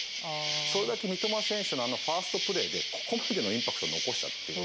それだけ三笘選手のあのファーストプレーで、ここまでのインパク